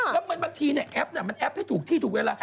แล้วมันบางทีแอปมันแอปให้ถูกที่ถูกเวลา